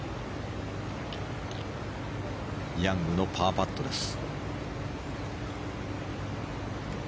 ヤングのパーパットです。